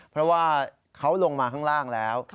เพราะว่าเขาลงมาข้างล่างแล้ว